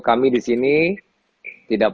kami disini tidak